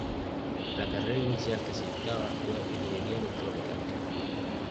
La carrera inicial que se dictaba fue ingeniería electromecánica.